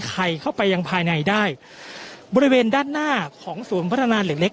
ใครเข้าไปยังภายในได้บริเวณด้านหน้าของศูนย์พัฒนาเหล็กเล็ก